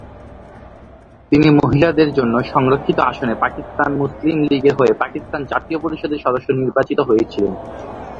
তিনি মহিলাদের জন্য সংরক্ষিত আসনে পাকিস্তান মুসলিম লীগের হয়ে পাকিস্তান জাতীয় পরিষদের সদস্য নির্বাচিত হয়েছিলেন।